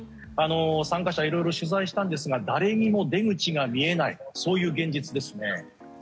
参加者、色々取材したんですが誰にも出口が見えない現実ですね。